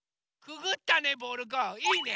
くぐったねボールくんいいね！